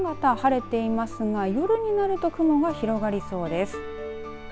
この時間は山形、晴れていますが夜になると雲が広がりそうです。